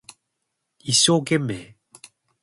一生懸命